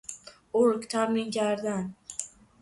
ارگ تمرین کردن